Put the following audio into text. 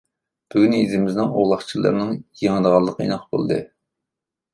بۈگۈن يېزىمىزنىڭ ئوغلاقچىلىرىنىڭ يېڭىدىغانلىقى ئېنىق ئىدى.